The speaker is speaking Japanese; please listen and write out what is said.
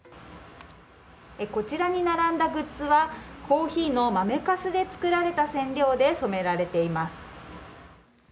こちらに並んだグッズはコーヒーの豆かすで作られた染料で染められています。